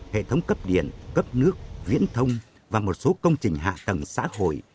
hệ thống cấp điện cấp nước viễn thông và một số công trình hạ tầng xã hội